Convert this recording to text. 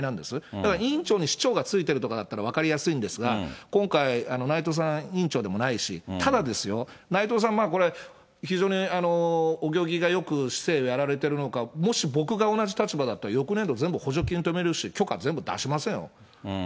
だから委員長に市長がついてるとかだったら分かりやすいんですが、今回、内藤さん、委員長でもないし、ただですよ、内藤さん、これ、非常にお行儀がよく市政をやられているのか、もし僕が同じ立場だったら翌年度、全部補助金止めるし、許可全部出しませんよ。